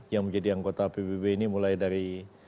yang menjadi anggota pbb ini mulai dari